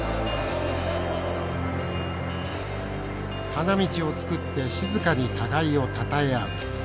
花道を作って静かに互いをたたえ合う。